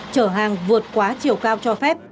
chở hàng vượt quá chiều cao cho phép